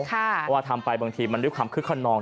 เพราะว่าทำไปบางทีมันด้วยความคึกขนอง